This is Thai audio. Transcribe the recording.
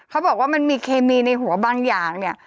เขาบอกว่ามันมีเคมีในหัวบางอย่างเนี่ย